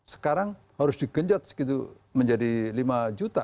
sekarang harus di genjat segitu menjadi lima juta